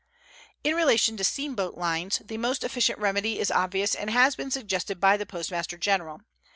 In relation to steamboat lines, the most efficient remedy is obvious and has been suggested by the Postmaster General.